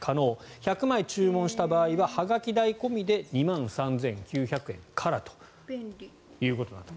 １００枚注文した場合ははがき代込みで２万３９００円からということなんです。